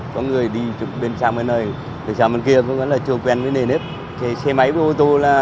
có người đi bên xa bên này bên xa bên kia vẫn là chưa quen với nền hết